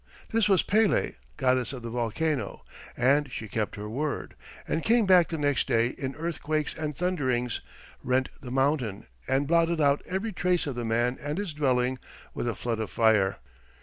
"This was Pele, goddess of the volcano, and she kept her word, and came back the next day in earthquakes and thunderings, rent the mountain, and blotted out every trace of the man and his dwelling with a flood of fire."